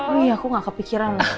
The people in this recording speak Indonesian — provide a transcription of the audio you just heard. wih aku gak kepikiran